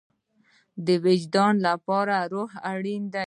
د وجدان لپاره روح اړین دی